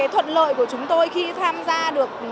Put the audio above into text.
thuận lợi của chúng tôi khi tham gia được